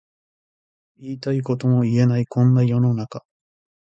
言いたいことも言えないこんな世の中